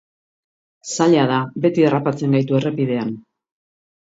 Zaila da, beti harrapatzen gaitu errepidean.